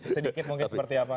sedikit mungkin seperti apa